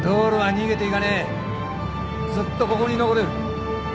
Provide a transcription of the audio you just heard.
ずっとここに残る。